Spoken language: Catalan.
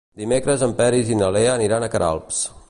Dimecres en Peris i na Lea aniran a Queralbs.